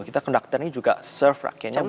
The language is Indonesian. kita konduktor ini juga serve rakyatnya